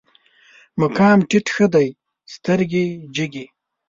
مقام ټيټ ښه دی، سترګې جګې